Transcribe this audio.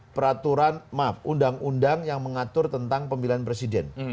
peraturan maaf undang undang yang mengatur tentang pemilihan presiden